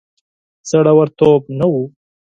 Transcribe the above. زړه ورتوب نه وو.